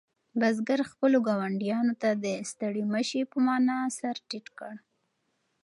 بزګر خپلو ګاونډیانو ته د ستړي مه شي په مانا سر ټیټ کړ.